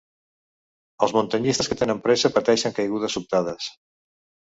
Els muntanyistes que tenen pressa pateixen caigudes sobtades.